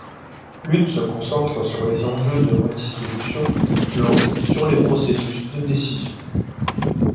L’une se concentre sur les enjeux de redistribution, l’autre sur les processus de décision.